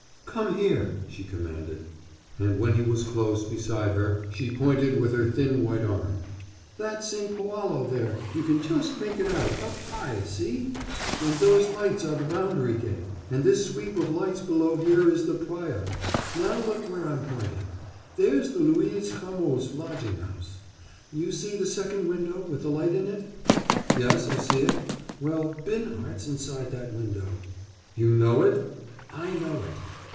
"Come here!" she commanded. And when he was close beside her she pointed with her thin white arm. "That's Saint Poalo there—you can just make it out, up high, see. And those lights are the Boundary Gate. And this sweep of lights below here is the Praya. Now look where I'm pointing. That's the Luiz Camoes lodging house. You see the second window with the light in it?" "Yes, I see it." "Well, Binhart's inside that window." "You know it?" "I know it."